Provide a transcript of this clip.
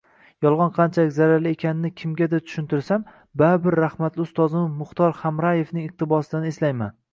Yolg'on qanchalik zararli ekanini kimgadir tushuntirsam, baribir rahmatli ustozimiz Muxtor Hamrayevning iqtiboslarini eslayman